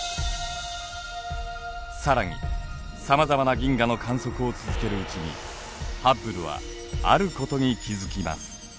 更にさまざまな銀河の観測を続けるうちにハッブルはあることに気付きます。